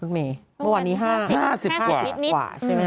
เมื่อวันนี้๕๕นิดกว่าใช่ไหมครับ